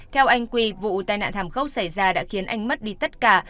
theo anh quy vụ tai nạn thảm khốc xảy ra đã khiến anh mất đi tất cả